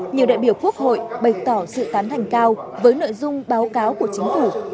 nhiều đại biểu quốc hội bày tỏ sự tán thành cao với nội dung báo cáo của chính phủ